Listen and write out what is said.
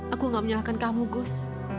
aku gak menyalahkan kamu gus